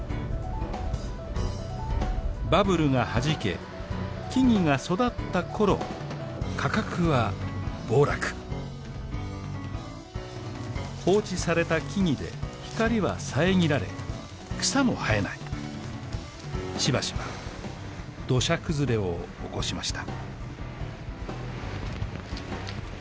バブルがはじけ木々が育ったころ価格は暴落放置された木々で光は遮られ草も生えないしばしば土砂崩れを起こしました